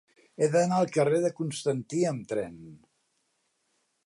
He d'anar al carrer de Constantí amb tren.